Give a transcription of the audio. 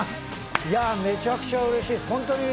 いや、めちゃくちゃうれしいです。